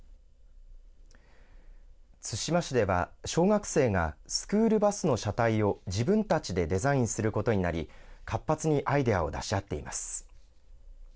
対馬市では小学生がスクールバスの車体を自分たちでデザインすることになり活発にアイデアを出し合っています。